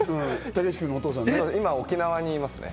今、沖縄にいますね。